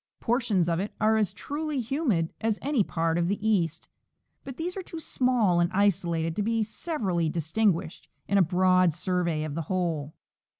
Portions of it are as truly humid as any part of the east, but these are too small and isolated to be severally distinguished in a broad survey of the whole.